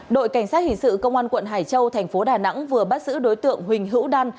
đội cảnh sát hình sự công an quận hải châu thành phố đà nẵng vừa bắt giữ đối tượng huỳnh hữu đan